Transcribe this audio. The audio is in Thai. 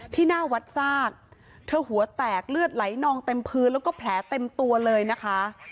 หน้าวัดซากเธอหัวแตกเลือดไหลนองเต็มพื้นแล้วก็แผลเต็มตัวเลยนะคะ